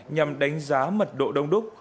nhằm đánh giá mật độ đông đúc